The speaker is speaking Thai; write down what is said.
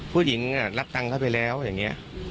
ผู้หญิงรับตังค์เข้าไปแล้วอย่างนี้